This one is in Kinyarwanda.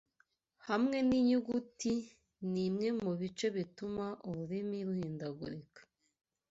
Hamwe n’ inyuguti nimwe mubice bituma ururimi ruhindagurika.